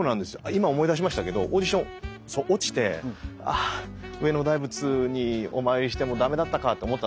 今思い出しましたけどオーディション落ちてあ上野大仏にお参りしても駄目だったかと思ったんですけど